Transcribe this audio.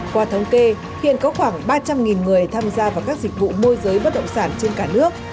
qua thống kê hiện có khoảng ba trăm linh người tham gia vào các dịch vụ môi giới bất động sản trên cả nước